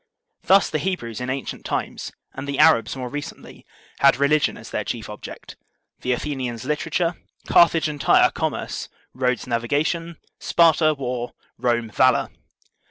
Thus the Hebrews in ancient times, and the Arabs more recently, had religion as their chief object, the Athenians literature, Carthage and Tyre commerce, Rhodes navigation, Sparta war, Rome valor.